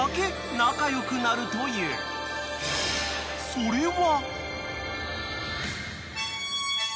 ［それは］